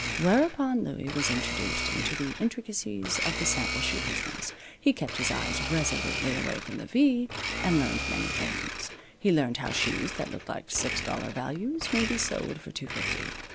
Whereupon Louie was introduced into the intricacies of the sample shoe business. He kept his eyes resolutely away from the V, and learned many things. He learned how shoes that look like six dollar values may be sold for two fifty.